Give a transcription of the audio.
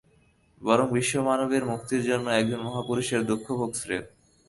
বরং বিশ্ব-মানবের মুক্তির জন্য একজন মহাপুরুষের দুঃখভোগ শ্রেয়।